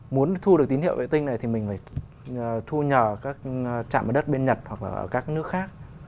muốn thu được tín hiệu vệ tinh này thì mình phải thu nhờ các trạm ở đất bên nhật hoặc là ở các nước khác